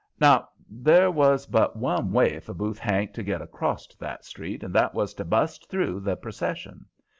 Now, there was but one way for Booth Hank to get acrost that street, and that was to bust through the procession.